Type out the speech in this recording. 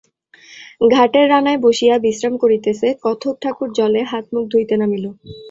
ঘাটের রানায় বসিয়া বিশ্রাম করিতেছে, কথক ঠাকুর জলে হাত মুখ ধুইতে নামিল।